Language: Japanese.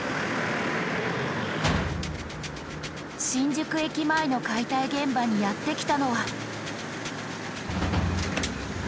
新宿駅前の解体現場にやって来たのは。